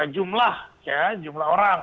jumlah ya jumlah orang